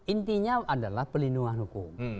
intinya adalah pelindungan hukum